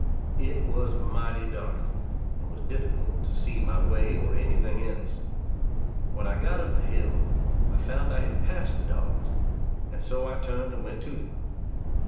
It was mighty dark, and was difficult to see my way or any thing else. When I got up the hill, I found I had passed the dogs; and so I turned and went to them.